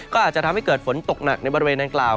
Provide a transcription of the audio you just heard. ก็อาจจะทำให้เกิดฝนตกหนักในบริเวณดังกล่าว